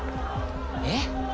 えっ！？